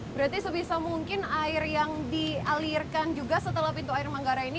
berarti sebisa mungkin air yang dialirkan juga setelah pintu air manggarai ini